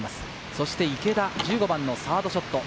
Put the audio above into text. そして池田、１５番のサードショット。